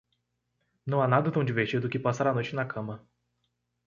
Não há nada tão divertido que passar a noite na cama.